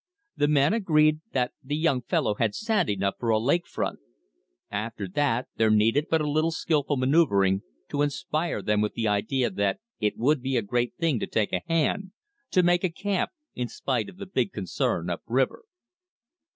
The men agreed that the "young fellow had sand enough for a lake front." After that there needed but a little skillful maneuvering to inspire them with the idea that it would be a great thing to take a hand, to "make a camp" in spite of the big concern up river.